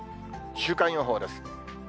週間予報です。